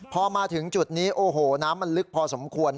พอมาถึงจุดนี้โอ้โหน้ำมันลึกพอสมควร